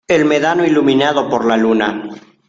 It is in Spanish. el médano iluminado por la luna ;